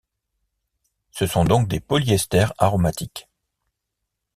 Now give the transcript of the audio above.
Ce sont donc des polyesters aromatiques.